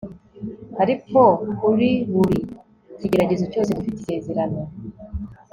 Ariko kuri buri kigeragezo cyose dufite isezerano